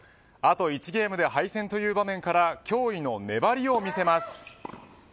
あと１ゲームで敗戦という場面から驚異の粘りを見せます。